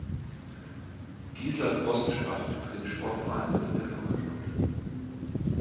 Gisela Voß startete für den Sportverein Berliner Turnerschaft.